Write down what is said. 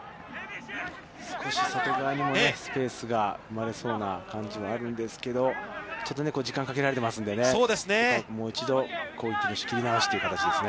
少し外側にもスペースが生まれそうな感じはあるんですけれどもちょっと時間をかけられてますのでね、もう一度、攻撃の仕切り直しという感じですね。